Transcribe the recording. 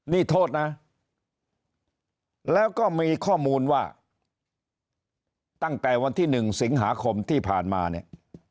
นี่โทษนะแล้วก็มีข้อมูลว่าตั้งแต่วันที่๑สิงหาคมที่ผ่านมาเนี่ย